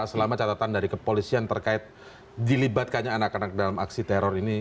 selama catatan dari kepolisian terkait dilibatkannya anak anak dalam aksi teror ini